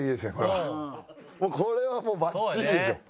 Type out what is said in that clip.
もうこれはもうバッチリですよ。